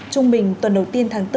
trung bình tuần đầu tiên tháng bốn